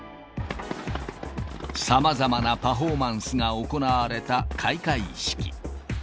さまざまなパフォーマンスが行われた開会式。